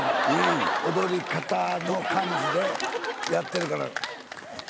踊り方の感じでやってるから。